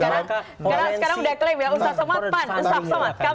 sekarang sudah klaim ya ustaz somad pan ustaz somad